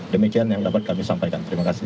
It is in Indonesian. demikian yang dapat kami sampaikan terima kasih